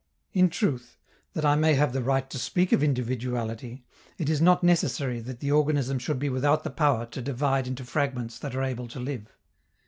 In truth, that I may have the right to speak of individuality, it is not necessary that the organism should be without the power to divide into fragments that are able to live.